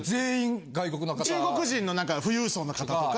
中国人の富裕層の方とか。